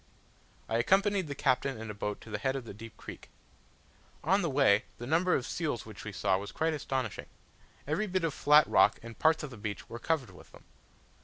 I accompanied the Captain in a boat to the head of a deep creek. On the way the number of seals which we saw was quite astonishing: every bit of flat rock, and parts of the beach, were covered with them.